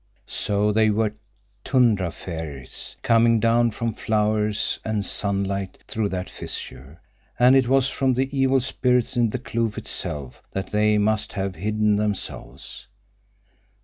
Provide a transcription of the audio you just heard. So they were tundra fairies, coming down from flowers and sunlight through that fissure, and it was from the evil spirits in the kloof itself that they must have hidden themselves.